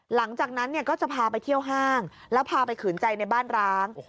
หลังจากนั้นเนี่ยก็จะพาไปเที่ยวห้างแล้วพาไปขืนใจในบ้านร้าง